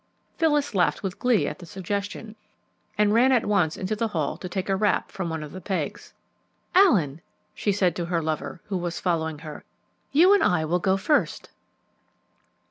Phyllis laughed with glee at the suggestion, and ran at once into the hall to take a wrap from one of the pegs. "Allen," she said to her lover, who was following her, "you and I will go first."